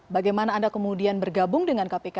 bagaimana anda kemudian bergabung dengan kpk